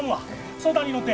相談に乗って。